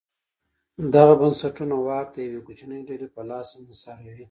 دغه بنسټونه واک د یوې کوچنۍ ډلې په لاس انحصاروي.